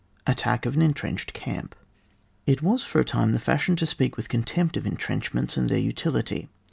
ATTACK OF AN ENTRENCHED CAMP. It was for a time the fashion to speak with contempt of entrenchments and their utility.